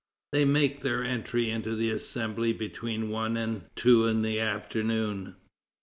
They make their entry into the Assembly between one and two in the afternoon.